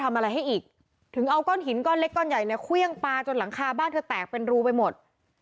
ทำอะไรให้อีกถึงเอาก้อนหินก้อนเล็กก้อนใหญ่เนี่ยเครื่องปลาจนหลังคาบ้านเธอแตกเป็นรูไปหมด